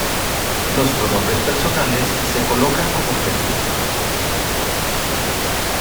Los pronombres personales se colocan como prefijos.